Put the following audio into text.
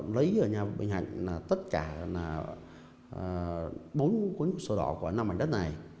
lấy ở nhà bình hạnh là tất cả là bốn cuốn sổ đỏ của năm mảnh đất này